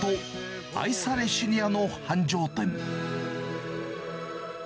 愛されシニアの繁盛店。